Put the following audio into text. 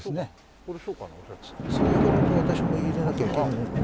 そう言われると私も入れなきゃいけない。